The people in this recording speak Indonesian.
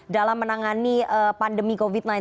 dalam menangani pandemi covid sembilan belas